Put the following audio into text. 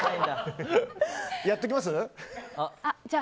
やっときます？